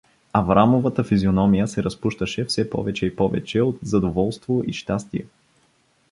Аврамовата физиономия се разпущаше все повече и повече от задоволство и щастие.